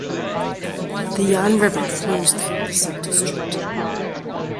The Yan River flows through the subdistrict.